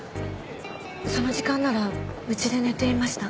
その時間ならうちで寝ていました。